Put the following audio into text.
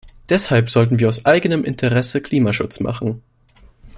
Deshalb sollten wir aus eigenem Interesse Klimaschutz machen.